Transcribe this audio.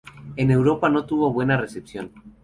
En Europa no tuvo una buena recepción.